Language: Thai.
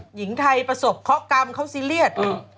หญิงไทยประสบเคาะกรรมเขาซีเรียส